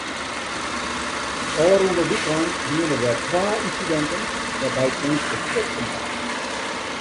Ofrûne wykein wiene der twa ynsidinten wêrby't minsken stutsen waarden.